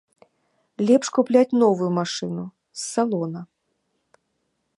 Лепш купляць новую машыну, з салона.